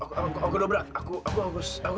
kamu jaga atau enggak